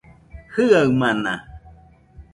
Jiaɨamana